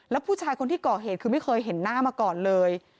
แล้วผู้ชายคนที่ก่อเหตุคือไม่เคยเห็นหน้ามาก่อนเลย